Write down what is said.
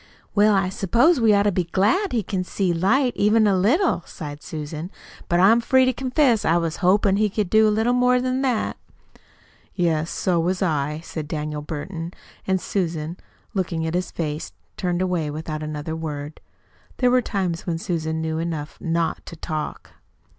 "Well, I s'pose we ought to be glad he can see light even a little," sighed Susan; "but I'm free to confess I was hopin' he could do a little more than that." "Yes, so was I," said Daniel Burton. And Susan, looking at his face, turned away without another word. There were times when Susan knew enough not to talk.